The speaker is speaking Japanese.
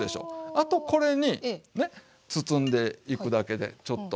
あとこれにね包んでいくだけでちょっと。